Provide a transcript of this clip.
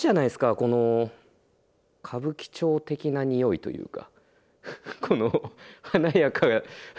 この歌舞伎町的なにおいというか。